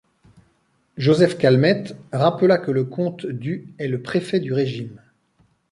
Joseph Calmette rappela que le comte du est le préfet du régime.